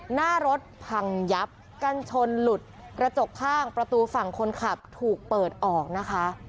หน้ารถพังยับกันชนหลุดกระจกข้างประตูฝั่งคนขับถูกเปิดออกนะคะ